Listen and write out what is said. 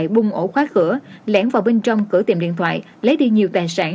bung ổ khóa cửa lẻn vào bên trong cửa tiệm điện thoại lấy đi nhiều tài sản